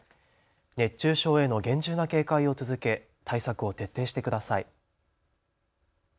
熱中症への厳重な警戒を続け対策を徹底してください。